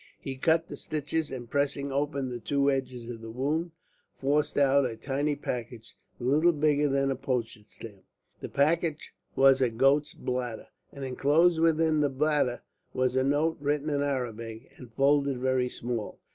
He cut the stitches, and pressing open the two edges of the wound, forced out a tiny package little bigger than a postage stamp. The package was a goat's bladder, and enclosed within the bladder was a note written in Arabic and folded very small.